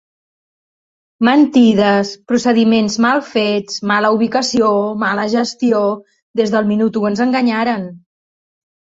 Mentides, procediments mal fets, mala ubicació, mala gestió… Des del minut u ens enganyaren.